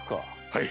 はい。